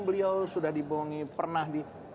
beliau sudah dibohongi pernah